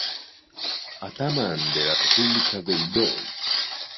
Atamán de la República del Don.